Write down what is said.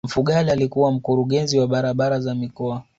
mfugale alikuwa mkurugenzi wa barabara za mikoa